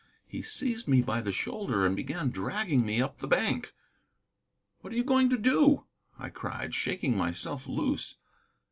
He seized me by the shoulder and began dragging me up the bank. "What are you going to do?" I cried, shaking myself loose.